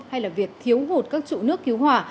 hay là việc thiếu hụt các trụ nước cứu hỏa